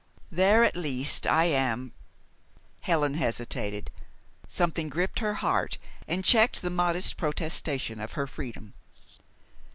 "There, at least, I am " Helen hesitated. Something gripped her heart and checked the modest protestation of her freedom.